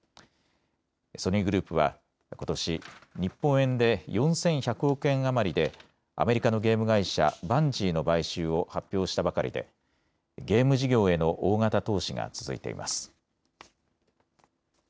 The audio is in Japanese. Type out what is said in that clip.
ソニーグループはことし日本円で４１００億円余りでアメリカのゲーム会社、バンジーの買収を発表したばかりでゲーム事業への大型投資が続いています。